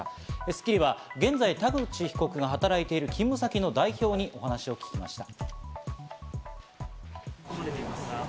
『スッキリ』は現在、田口被告が働いている勤務先の代表に話を聞いてきました。